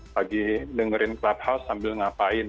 lagi dengerin clubhouse sambil ngapain